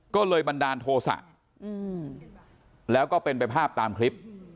ก็เลยบันดาลโทษะแล้วก็เป็นไปภาพตามคลิป